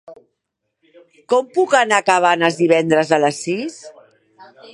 Com puc anar a Cabanes divendres a les sis?